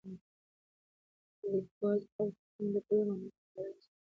لیکوالی د خلکو تر منځ د پوهې او معلوماتو تبادله اسانوي او اړیکې ټینګوي.